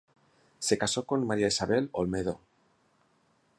Se casó con María Isabel Olmedo.